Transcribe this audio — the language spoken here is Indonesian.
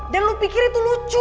dan sampai jumpa lagi